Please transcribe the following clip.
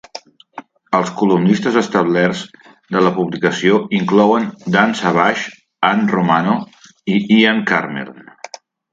Els columnistes establerts de la publicació inclouen Dan Savage, Ann Romano i Ian Karmel.